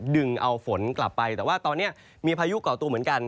ดึงเอาฝนกลับไปแต่ว่าตอนนี้มีพายุก่อตัวเหมือนกัน